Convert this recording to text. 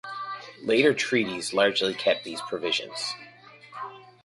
Later treaties largely kept these provisions.